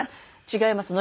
違います。